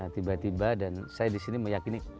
tiba tiba dan saya disini meyakini